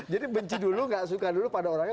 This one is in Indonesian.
jadi benci dulu nggak suka dulu pada orangnya